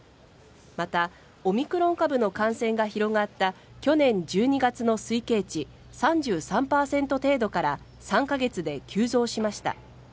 また、オミクロン株の感染が広がった去年１２月の推計値３３％程度から３か月で急増しました。